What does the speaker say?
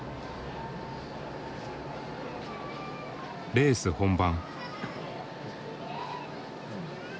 レース本番。